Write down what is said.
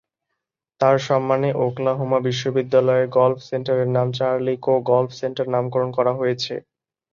তাঁর সম্মানে ওকলাহোমা বিশ্ববিদ্যালয়ের গল্ফ সেন্টারের নাম "চার্লি কো গল্ফ সেন্টার" নামকরণ করা হয়েছে।